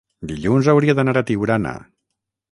dilluns hauria d'anar a Tiurana.